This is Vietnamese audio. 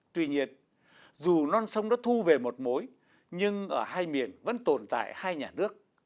tuy nhiên dù non sông đã thu về một mối nhưng ở hai miền vẫn tồn tại hai nhà nước